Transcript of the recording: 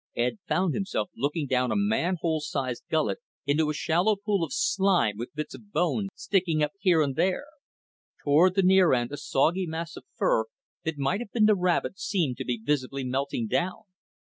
Ed found himself looking down a manhole sized gullet into a shallow puddle of slime with bits of bone sticking up here and there. Toward the near end a soggy mass of fur that might have been the rabbit seemed to be visibly melting down.